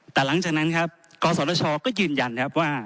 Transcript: แต่หลังจากนั้นครับกศชก็ยืนยันครับว่า